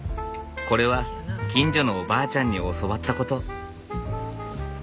これは近所のおばあちゃんに教わったこと。